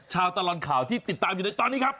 ตลอดข่าวที่ติดตามอยู่ในตอนนี้ครับ